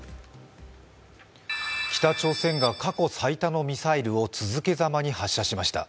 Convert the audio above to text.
北朝鮮が過去最多のミサイルを続けざまに発射しました。